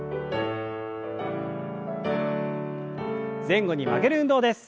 前後に曲げる運動です。